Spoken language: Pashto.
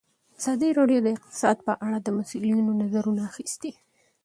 ازادي راډیو د اقتصاد په اړه د مسؤلینو نظرونه اخیستي.